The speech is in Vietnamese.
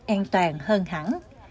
an toàn hơn hẳn